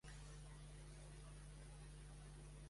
Saps si cau a prop de Caudete de las Fuentes?